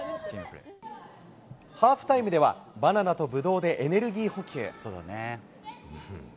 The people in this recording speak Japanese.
ハーフタイムでは、バナナとぶどうでエネルギー補給。